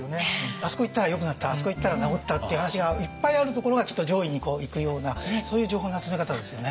あそこ行ったらよくなったあそこ行ったら治ったっていう話がいっぱいあるところがきっと上位にいくようなそういう情報の集め方ですよね。